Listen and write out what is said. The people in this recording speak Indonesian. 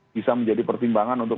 bisa menjadi pertimbangan untuk